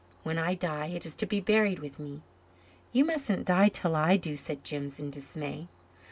When I die it is to be buried with me." "You mustn't die till I do," said Jims in dismay.